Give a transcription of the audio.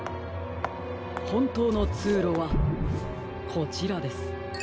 ほんとうのつうろはこちらです。